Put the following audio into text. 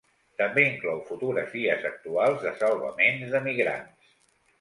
També inclou fotografies actuals de salvaments d’emigrants.